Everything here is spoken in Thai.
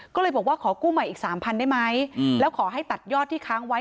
ก็เลยบอกว่าขอกู้ใหม่อีก๓๐๐ได้ไหมแล้วขอให้ตัดยอดที่ค้างไว้